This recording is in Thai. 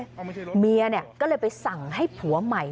ยิงเลยยิงเลยเมียเนี่ยก็เลยไปสั่งให้ผัวใหม่